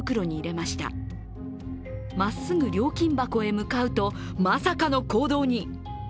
まっすぐ料金箱へ向かうと、まさかの行動に。